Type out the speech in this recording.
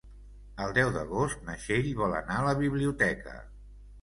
El deu d'agost na Txell vol anar a la biblioteca.